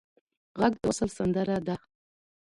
غږ د وصل سندره ده